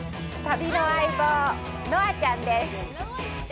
旅の相棒、ノアちゃんです。